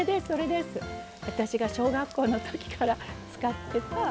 私が小学校のときから使ってた。